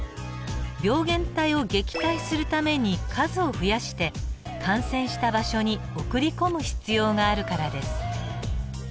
病原体を撃退するために数を増やして感染した場所に送り込む必要があるからです。